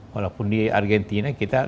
walaupun di argentina kita